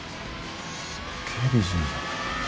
すっげえ美人じゃん。